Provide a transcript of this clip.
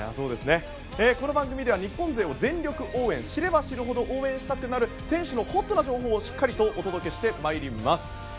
この番組では日本勢を全力応援知れば知るほど応援したくなる選手のホットな情報をしっかりとお届けしてまいります。